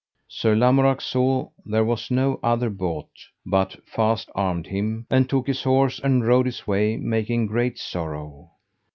Sir Lamorak saw there was none other bote, but fast armed him, and took his horse and rode his way making great sorrow.